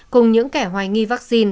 cùng những kẻ hoài nghi vaccine